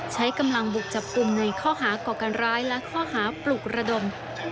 ใช้กำลังบุกจับกลุ่มในข้อหาก่อการร้ายและข้อหาปลุกระดม